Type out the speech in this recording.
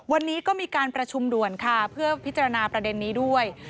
วันนี้ก็มีการประชุมด่วนค่ะเพื่อพิจารณาประเด็นนี้ด้วย